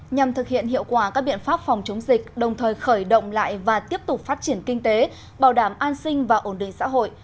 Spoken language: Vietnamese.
nhằm thực hiện hiệu quả các biện pháp phòng chống dịch đồng thời khởi động lại và tiếp tục phát triển kinh tế bảo đảm an sinh và ổn định xã hội